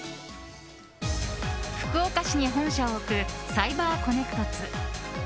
福岡市に本社を置くサイバーコネクトツー。